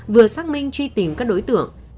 vừa xác minh truy tìm các đối tượng